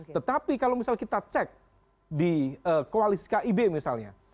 tetapi kalau misalnya kita cek di koalis kib misalnya